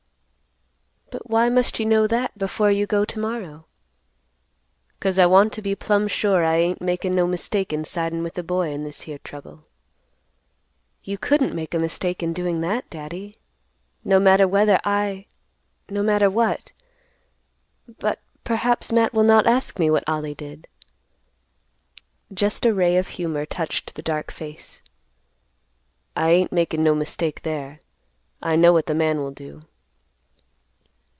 "But why must you know that before you go to morrow?" "'Cause I want to be plumb sure I ain't makin' no mistake in sidin' with the boy in this here trouble." "You couldn't make a mistake in doing that, Daddy, no matter whether I—no matter what—but perhaps Matt will not ask me what Ollie did." Just a ray of humor touched the dark face. "I ain't makin' no mistake there. I know what the man will do."